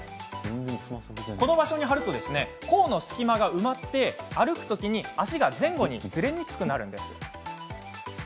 この場所に貼ると甲の隙間が埋まって、歩くとき足が前後にずれにくくなるんです。